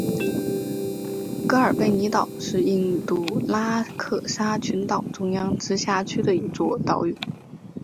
格尔贝尼岛是印度拉克沙群岛中央直辖区的一座岛屿。